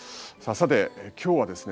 さて今日はですね